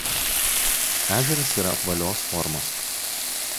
Ežeras yra apvalios formos.